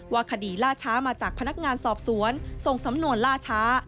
คดีล่าช้ามาจากพนักงานสอบสวนส่งสำนวนล่าช้า